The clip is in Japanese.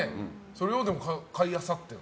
それを買いあさっている？